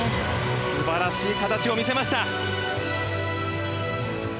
素晴らしい形を見せました。